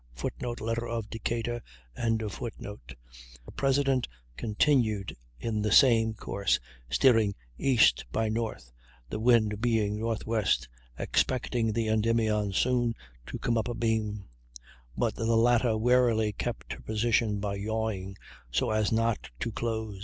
[Footnote: Letter of Decatur.] The President continued in the same course, steering east by north, the wind being northwest, expecting the Endymion soon to come up abeam; but the latter warily kept her position by yawing, so as not to close.